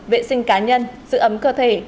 vệ sinh cá nhân sự ấm cơ thể